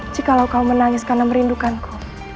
jikalau kau menangis karena merindukanku